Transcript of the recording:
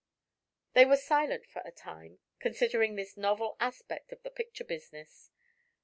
They were silent for a time, considering this novel aspect of the picture business.